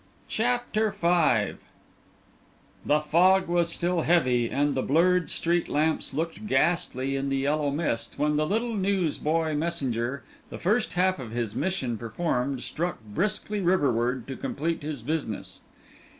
CHAPTER V The fog was still heavy, and the blurred street lamps looked ghastly in the yellow mist, when the little newsboy messenger, the first half of his mission performed, struck briskly riverward to complete his business.